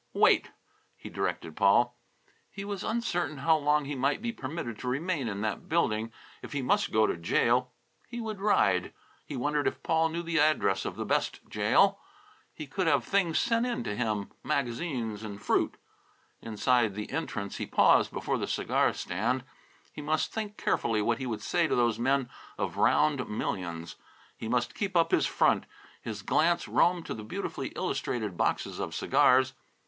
"Wait!" he directed Paul. He was uncertain how long he might be permitted to remain in that building. If he must go to jail, he would ride. He wondered if Paul knew the address of the best jail. He could have things sent in to him magazines and fruit. Inside the entrance he paused before the cigar stand. He must think carefully what he would say to those men of round millions. He must keep up his front. His glance roamed to the beautifully illustrated boxes of cigars.